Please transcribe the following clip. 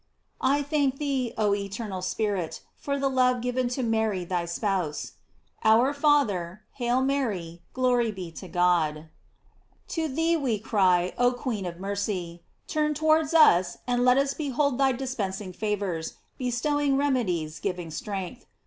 I thank thee, oh eternal Spirit, for the love given to Mary thy spouse. Our Father, Hail Mary, Glory be to God. V 84 GLORIES OF MAEY. To thee we cry, oh queen of mercy, turn tow« ards us, and let us behold thee dispensing favors, bestowing remedies, giving strength.